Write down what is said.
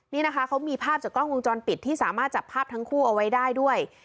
นี่นะคะเขามีภาพจากกล้องวงจรปิดที่สามารถจับภาพทั้งคู่เอาไว้ได้ด้วย